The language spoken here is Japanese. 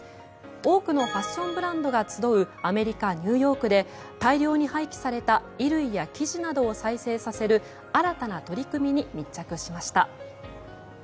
多くのファッションブランドが集うアメリカ・ニューヨークで大量に廃棄された衣類や生地などを再生させる新たな取り組みに密着しました。